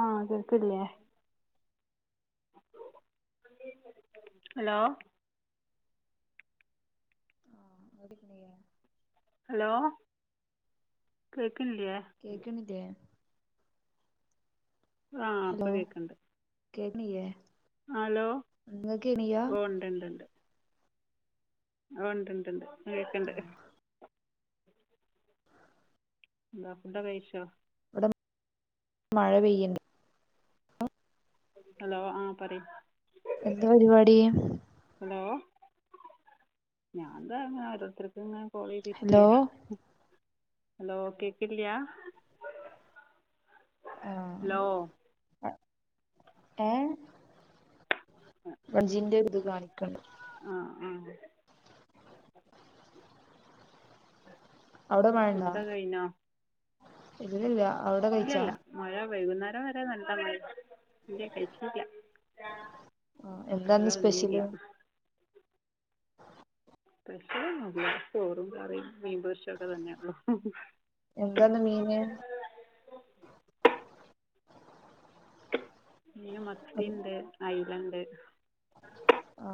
ആഹ് കേൾക്കിലെ. Hello [inaudible] hello കേക് കേക്കണില്ലേ. ആഹ് ഹലോ ഇപ്പം കേക്കണ്ട്. കേക്കണില്ലേ ഓ [unintelligible] ആ ഉണ്ട്ണ്ട്ണ്ട് അ ആ കേക്കണ്ട്. എന്ത ഫുടൊക്കെ കയ്ച്ചോ. ഇവിടെ മഴ പെയ്യണ്ട്‌. ഹലോ ആഹ് പറയ് എന്ത് പരിപാടി. ഹലോ ഞാൻന്താ അങ്ങനെ ഓരോരുത്തർക്ക് ഇങ്ങനെ കോൾ ഹലോ ചെയ്തിരിക്കാ. ഹലോ കേക്കല്യാ. ആഹ് ഏഹ് [unintelligible] ഇത് കാണിക്കണ്ട്. ആ ആ. അവിടെ ഫുഡോക്കെ കഴിഞ്ഞൊ ഇല്ലില്ല അവിടെ കയിച്ച. വൈകുന്നേരം വരെ നല്ല [inaudible] ഇല്ല കയിച്ചീല്യ. ആ എന്താ ഇന്ന് വന്നില്ല സ്പെഷ്യല്. സ്പെഷ്യലൊന്നുല്ല ചോറും കറിം മീൻ പൊരിചോക്കെ തന്നെയുള്ളൂ. എന്താന്ന് മീന്. മീൻ മത്തിണ്ട് ഐലണ്ട്. ആ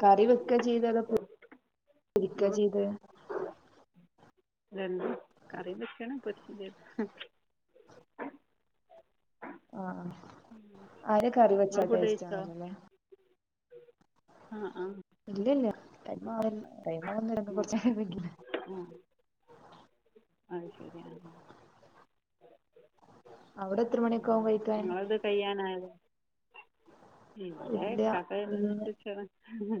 കറിവെക്കെ ചെയ്തലേ അതോ പൊ രിക്ക നിങ്ങൾ ചെയ്തെ. രണ്ടും കറിവെക്കണം പൊരിചും ചെയ്തണ്. ആ ആ അയല കറി വെച്ചാ നിങ്ങൾ ഫുഡ് ടേസ്റ്റ് കഴിച്ചോ ആണല്ലേ ആല്ലേ. ആ ആഹ്. ഇല്ല ഇല്ല ടൈമാവുന്നേ ടൈമാവന്നെ ആ കൊറചേരാം [unintelligible] ശെരി ആ അവിടെ എത്ര മണിയെക്കാവും കയിക്കാൻ. ങ്ങളത് കഴ്യാനായത് ഇവിടെ ഇല്ല ഇക്കാക്ക വരുന്നേനു ഇന്ന് അനുസരിച്ചാണ്. ഉം.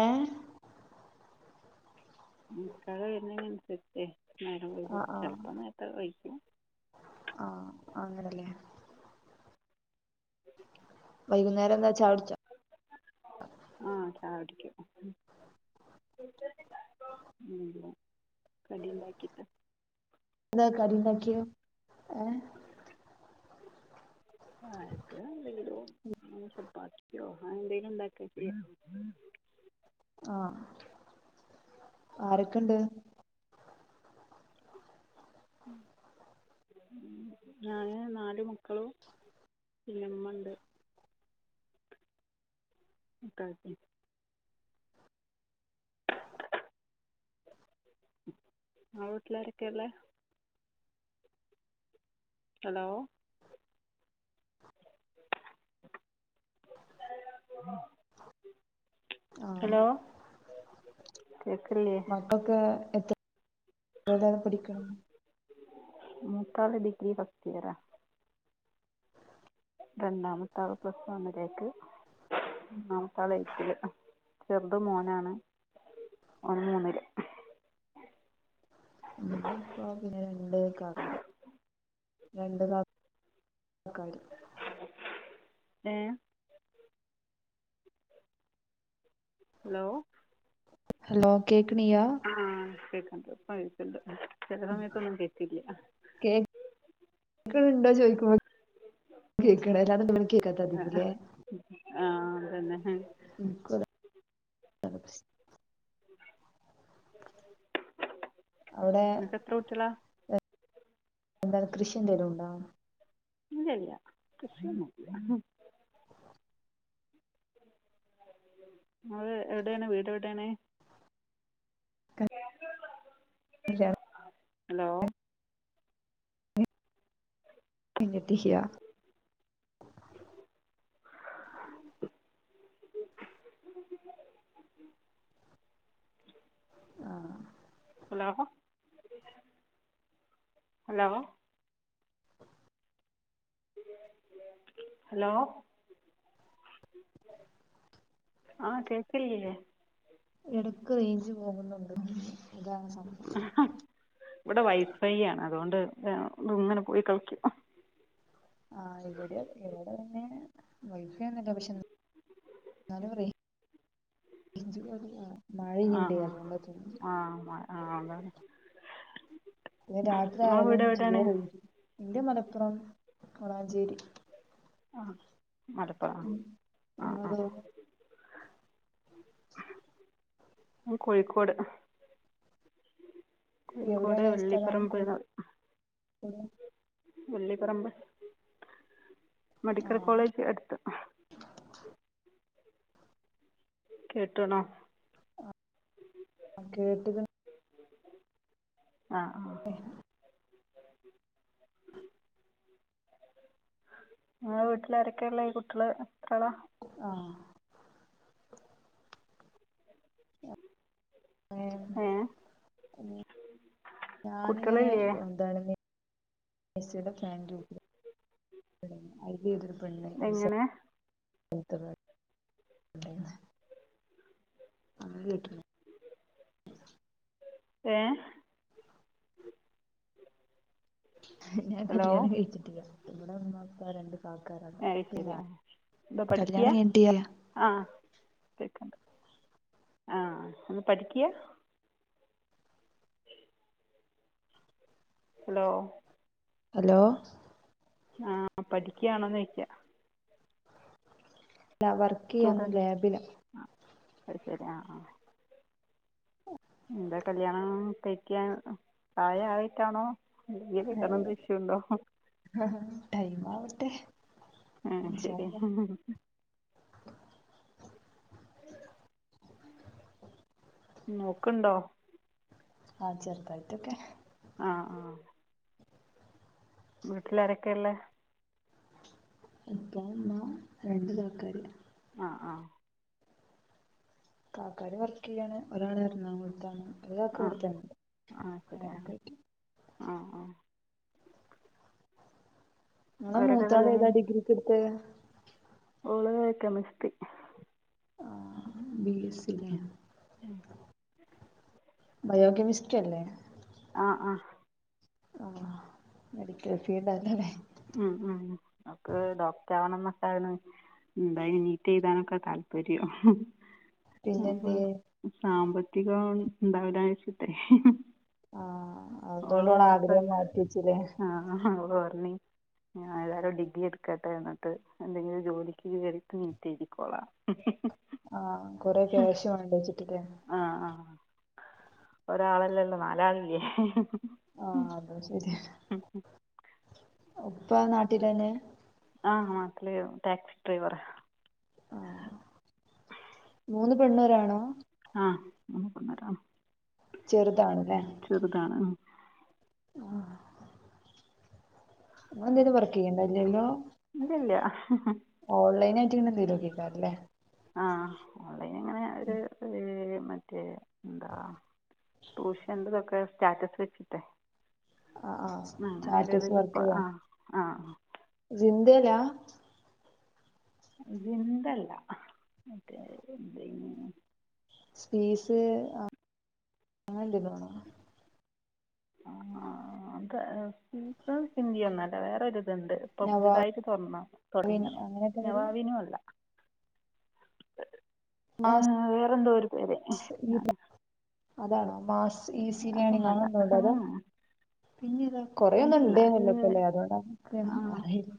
ഏ. ഇക്കാക്ക വരുന്നേന് അനുസരിചേ. നേരം വയ്കും ആഹ് ആഹ് ചെലപ്പോ നേർത്തെ കയിക്കും. ആഹ് അങ്ങനല്ലേ വൈകുന്നേരം എന്താ ചായുടിച്ച. ആ ചായ കുടിക്കും കടി ഇണ്ടാക്കീട്ടെ. ന്താ കടി ഇണ്ടാക്ക്യേ ഏഹ് ചായക്ക് എന്തെങ്കിലും ചപ്പാത്തിയൊ അങ്ങനെ എന്തേലും ഉണ്ടാക്കേം ചെയ ആ ആരൊക്കെ ഇണ്ട് ഞാന് നാല് മക്കളും പിന്ന ഉമ്മണ്ട്. [unintelligible] ആ വീട്ടിലാരൊക്കെയുള്ളേ ഹലോ [inaudible] ആ ഹലോ കേൾക്കില്ലേ മക്കൊക്കെ എത്രി എടാ പഠിക്കണ് മൂത്താള് ഡിഗ്രി ഫസ്റ്റിയറാ രണ്ടാമത്താള് പ്ലസ് വണ്ണിലേക്ക് മൂന്നാമത്തെ ആൾ എൽ പി ൽ ചെറുത് മോനാണ്. [unintelligible] [unintelligible] ഉപ്പാക്ക് രണ്ട് [unintelligible] രണ്ട് കാ കാര് ഏഹ് ഹലോ ഹലോ കേക്കണിയാ അത് ഇപ്പം കേക്ണ്ട് ചില സമയത്തൊന്നും കെക്കില്ല. ണ്ടോന്ന് ചോദിക്കുമ്പോ കേക്കണ് അല്ലാ [unintelligible] ആ കേക്കാത്തതിമല്ലേ ആ അതന്നെ ഇന്ക്കും അതാ [unintelligible] അവിടെ നിക്ക് എത്ര കുട്ടികളാ എന്താണ് കൃഷി എന്തേലും ഉണ്ടോ ഇല്ലല്ല കൃഷിയൊന്നും ഇല്ല അത് എവിടെയാണ് വീട് എവിടെയാണ് കേ [unintelligible] [unintelligible] ഹലോ [unintelligible] ആഹ് ഹലോ ഹലോ ഹലോ ആ കേക്കില്ല്യേ ഇടക്ക് റേഞ്ച് പോകുന്നുണ്ട് ഇതാണ് സം ഇവിടെ വൈഫൈ ആണ് അതുകൊണ്ട് ത് ഇങ്ങനെ പോയി കളിക്ക ആ ഇവിടെ തെ ഇവിടെ തന്നെ [unintelligible] പക്ഷേ ന്ന് ന്നാലും പറേ [unintelligible] മഴ ആ പെയ്യിണ്ടേ അതോണ്ടാ തോന്നുന്നു ആ ആ ആ അതാണ് നി രാത്രി നിങ്ങളെ ആയാലും വീട് എവിടെയാണ് ജിയോ [unintelligible] എന്റെ മലപ്പുറം വാളൻഞ്ചേരി ആ അടുപ്പ ഉം ആ ആ ഇങ്ങളതോ കോഴിക്കോട് കോഴിക്കോട് എവിടെയാണ് സ്ഥലം വള്ളിപ്പറമ്പ് റിയും കോഴിക്കോട് വള്ളിപറമ്പ് മെഡിക്കൽ ആഹ് കോളേജ് അട്ത്ത് കെട്ട്ണോ ആ ആ കേട്ടിക്കണ് ആ ഉം ആ വീട്ടില ആരൊക്കെയല്ലേ ഈ കുട്ടികള് ആഹ് ഏ ഞാനിങ്ങനെ കുട്ടികളില്ലേ എന്താണ് ഫാ യ [unintelligible] വതൊരു പെണ്ണണ്ട എങ്ങനെ [unintelligible] അമ്മ കട്ടണ [unintelligible] ഏ ഞാൻ ഹലോ കല്യാണം കഴിച്ചിട്ടില്ലമ്മടെ അമ്മ അപ്പാ രണ്ട് കാക്കാരാണ് യ് പിന്നെ ശരിയാ എന്താ പഠിക്കിയ കല്യാണം കഴിഞ്ഞിട്ടില്ല ആഹ് കേക്കണ്ട്. ആഹ് ഒന്ന് പഠിക്കിയ. ഹലോ? ഹലോ? ആഹ് പഠിക്കാണോന്നോയിക്ക. ല്ല വർക്ക് ചെയ്യാന്ന് സ്റ്റുഡൻറ് ലാബില്. ആ അത് ശരി ആ ആ എന്താ കല്യാണം കഴിക്ക തായ ആയിട്ടാണോ വ കക്കണം ദൃഷ്യുണ്ടോ? ആ ടൈം ആവട്ടെ. ആ ഇൻഷാ ശരി. അള്ളാ നോക്കണ്ടോ? ആഹ് ചെറുതായിറ്റൊക്കെ. ആ വീട്ടിലാരൊക്കെയള്ളേ? ഇപ്പ ഇമ്മ രണ്ടു കാക്കാര്. ഉള്ളത് ആ ആഹ് കാക്കാര് വർക്ക് ചെയ്യാണ് ഒരാള് എറണാകുളത്താണ്. ഒരുആക്കാ ആ ഇവിടത്താന്നേണ്ട് ആ ശരി ആ അങ്ങനെക്കായിട്ട്. ആ ആ നിങ്ങള അവരൊക്കെ മൂത്താള് ഏതാ ഡിഗ്രിക്കെടുത്തെ? ഓള് ക്കെമസ്തി. ആ ബി എസ് സി ല്ലെ. ബയോകെമിസ്ട്രി അല്ലേ? ആഹ് ആഹ് ആ മെഡിക്കൽ ഫീൽഡ് ന്ന അല്ലെ. ഉം ഉം ഓക്ക് ഡോക്ടർ ആവണം എന്നക്കാണ്. എന്താ നീറ്റ് എഴുതാനൊക്കെ താല്പര്യം അപ്പ പിന്നെന്തിയെ സാമ്പത്തികം ഉണ്ടാവുലച്ചിട്ടെ ആഹ് അവള് അതുകൊണ്ട് ഓളെ ആഗ്രഹം മാത്രല്ല മാറ്റി വെച്ചില്ലേ ആഹ് അവള് പറഞ്ഞി ഞാൻ എല്ലാവാരും ഡിഗ്രി എടുക്കട്ടെ എന്നിട്ട് എന്തെങ്കിലും ജോലിക്ക് കെറിട്ട് നീറ്റ് എഴുതിക്കോളാം. ആഹ് കൊറെ ക്യാഷും ഉണ്ട വച്ചിട്ടല്ലെ. ആ ആ ഒരാളല്ലല്ലോ നാലാളില്ലേ. ആഹ് അതും ശരിയ ഉപ്പ നാട്ടിലന്നെ. ആഹ് നാട്ടില് ടാക്സി ഡ്രൈവറ. ആഹ് മൂന്ന് പെണ്ണൂ രാണോ? ആ മൂന്ന് പെണ്ണു രാണും. ചെറുതാണ്ല്ലെ. ചെറുതാണ് ഉം. ന എന്തേലും വർക്ക് ചെയ്യണ്ടോ ല്ലല്ലോ. ഇല്ലില്ല ഓൺലൈന ആയിട്ട് ഇങ്ങനെ ന്തേലുക്കെല്ലേ അത് അങ്ങനെ ഒരു ഒരു മറ്റേ എന്താ ട്യൂഷന്റെതൊക്കെ സ്റ്റാറ്റസ് വെച്ചിട്ടെ ആ ആ സ്റ്റാറ്റസ് വക്ക ആ ആ ഇതല്ലാ വിന്തല്ല മറ്റേ സ്പീസ് അങ്ങനല്ലല്ലോ ഉ ആ അ അത് ഹിന്ദി ഒന്നല്ല വേറൊരുത് ഇണ്ട് ഇപ്പൊ നവാവിൻ പുതിതായിട്ട് തുറന്ന തുടങ്ങണം അങ്ങനെയൊക്കെ എന്തേലും നവാവിനും അല്ല ആ വേറെന്തൊരു പേര് ഈ- ആ അതാണോ മാസ് ഈസി ലേണിംങ്‌ അങ്ങനെന്തോണ്ടാലൊ പിന്നെ കൊറെ ഒന്നും അതല്ല ഉണ്ടന്നല്ല ഇത് ഇപ്പല്ലേ അതോട ഒന്നും അയില്ല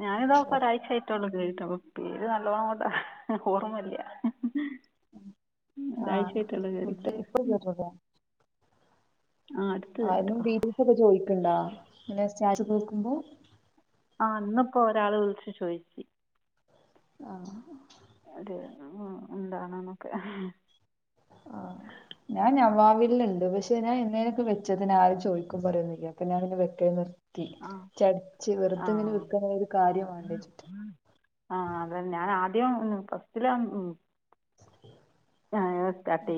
ഞാൻ ഇതാ പ്പോരാഴ്ച്ച അപ്പൊ പേര് നല്ലോണ്ണം കൊണ്ടാ ആ ഒരായിച്ചായിട്ടുള്ളു ഫുഡ് കെറിട്ട് ഇപ്പൊ കേട്ടോളൂ ആരേലും കേട്ടോ ഡീറ്റൽസൊക്കെ ചോയ്ക്കണ്ടാ പിന്നെ സ്റ്റാറ്റേസ് വെക്കുമ്പോ അ ന്നിപ്പോ ഒരാള് വിളിച്ചു ചോദിച്ചി ആ ഒരു എന്താണ്ന്നൊക്കെ അവിൽന്ണ്ട് പക്ഷെ ഞാൻ എന്നേതിനൊക്കെ വെച്ചക്കണ് ആരും ചോദിക്കും പറയൊന്നുല്ല അപ്പൊ ഞാന വെക്ക ദി ആ ചടച്ച് വെറുതെങ്ങനെ ആ വെക്കുന്നല്ലാതെ ഒരു കാര്യമാണ്ന്റെ ച്ട്ട് ആ അതന്നെ ഞാൻ ആദ്യം ഫസ്റ്റില ഉം സ്റ്റാർട്ട്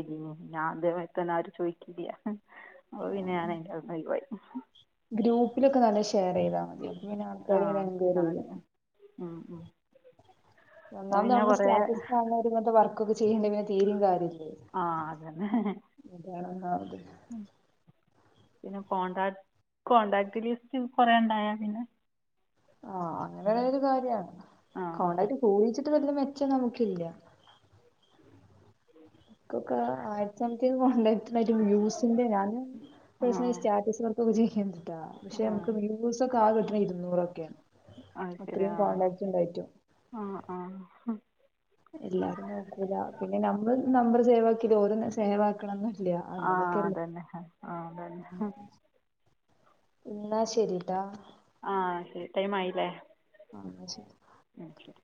ഞാൻ ദേ മാതിരി തന്നെ ആരു ചോദിക്കില്ല അപ്പ പിന്നെ ഞാ ഇന്റോട്ന്നൊ ഒഴിവായി ഗ്രൂപ്പിലൊക്കെ നല്ല ഷെയർ ചെയ്താൽ മതി അപ്പ പിന്നെ ആൾക്കാർ ഇങ്ങനെ ആഹ് എൻക്വയർ ചെയ്താൽ മതി ചെയ്യും ഉം ഉം അത് ഒന്നാമത് പിന്നെ നമ്മള് കൊറേ സ്റ്റാറ്റസ് ഇട്ടു വർക്കൊക്കെ ചെയ്യേണ്ടൽ പിന്നെ തീരയും കാര്യല്ല ആ അതന്നെ ഒന്നാമത് പിന്നെ കോണ്ടാക്ട് കോണ്ടാക്ട് ലിസ്റ്റ് കൊറേ ഉണ്ടായ പിന്നെ ആ അങ്ങനൊരു കാര്യാണ് ആഹ് ആഹ് കോണ്ടാക്ട്ട് കൂ ഇത് വെല്ല്യ മെച്ചം നമുക്കില്ല ക്കൊക്കെ ആയിരത്തി സംതിങ് കോണ്ടാക്റ്റിനായിട്ട് വ്യൂസിന്റെ ഞാന് പേഴ്സണലി ആഹ് സ്റ്റാറ്റസ് വർക്കൊക്കെ ആഹ് ഇരുന്നൂറൊക്കെ ആശരി ആ ആ എല്ലാരും നോക്കൂല പിന്നെ നമ്മൾ നമ്പർ സേവ് ആക്കിത് ഓരൊന്നും സേവാക്കണം ന്ന് ഇല്ല ആഹ് അങ്ങനൊക്കെല്ലേ അതന്നെ ആഹ് അതന്നെ എന്നാ ശരിട്ടാ ആ ശരി ടൈം ആയില്ലേ ആ ശരി ഉം ശരി